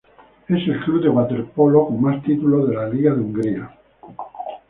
Es el club de waterpolo con más títulos de liga de Hungría.